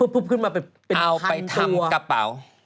ปุ๊บขึ้นมาเป็นพันตัวเอาไปทำกระเป๋าเป็นพันตัว